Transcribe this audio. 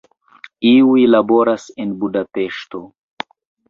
Iuj laboras en Budapeŝto.